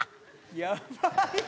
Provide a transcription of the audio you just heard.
やばい。